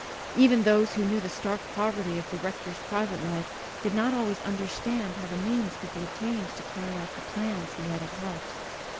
Even those who knew the stark poverty of the rector's private life did not always understand how the means could be obtained to carry out the plans he had at heart.